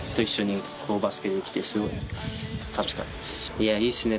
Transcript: いやいいっすね